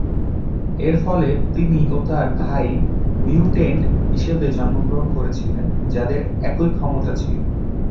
এর ফলে, তিনি ও তার ভাই মিউট্যান্ট হিসেবে জন্মগ্রহণ করেছিলেন, যাদের একই ক্ষমতা ছিল।